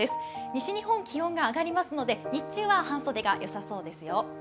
西日本気温が上がりますので日中は半袖がよさそうですよ。